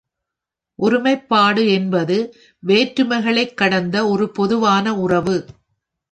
ஒருமைப்பாடு என்பது வேற்றுமைகளைக் கடந்த ஒரு பொதுவான உறவு.